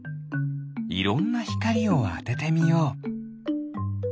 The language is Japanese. いろんなひかりをあててみよう。